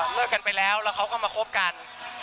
กันไปแล้วแล้วเขาก็มาคบกัน